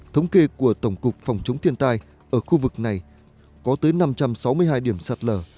thống kê của tổng cục phòng chống thiên tai ở khu vực này có tới năm trăm sáu mươi hai điểm sạt lở